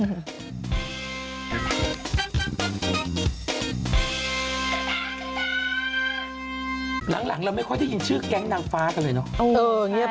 พี่คุณล้ามเล่าให้ฟังครับ